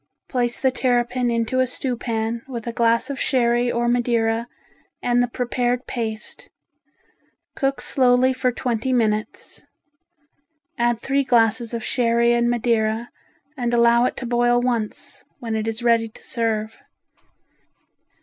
Place the terrapin into a stewpan with a glass of sherry or madeira and the prepared paste. Cook slowly for twenty minutes. Add three glasses of sherry and madeira and allow it to boil once, when it is ready to serve.